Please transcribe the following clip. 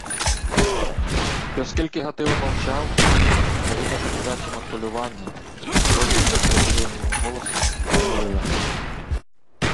Й оскільки Гатило мовчав, княгиня тремтячим од хвилювання, зовсім незрозумілим йому голосом примолилася: